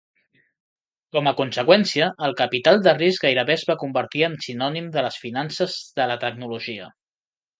Com a conseqüència, el capital de risc gairebé es va convertir en sinònim de les finances de la tecnologia.